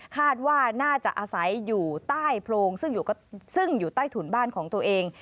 คาดว่าน่าจะอาศัยอยู่ใต้โพรงซึ่งอยู่ใต้ถุนบ้านของตัวเอง